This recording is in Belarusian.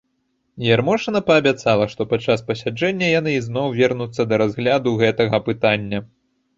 Ярмошына паабяцала, што падчас пасяджэння яны ізноў вернуцца да разгляду гэтага пытання.